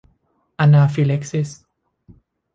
อะนาฟิแล็กซิส